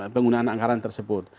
penggunaan anggaran tersebut